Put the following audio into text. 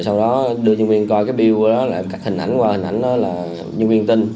sau đó đưa nhân viên coi cái bill đó hình ảnh của hình ảnh đó là nhân viên tin